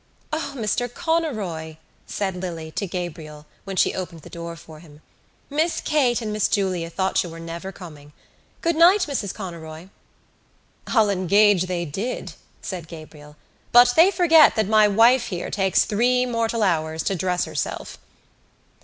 "O, Mr Conroy," said Lily to Gabriel when she opened the door for him, "Miss Kate and Miss Julia thought you were never coming. Good night, Mrs Conroy." "I'll engage they did," said Gabriel, "but they forget that my wife here takes three mortal hours to dress herself."